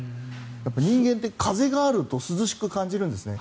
人間って風があると涼しく感じるんですね。